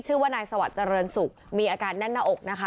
ชื่อว่านายสวัสดิเจริญศุกร์มีอาการแน่นหน้าอกนะคะ